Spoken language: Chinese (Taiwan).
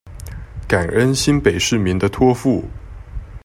感恩新北市民的付託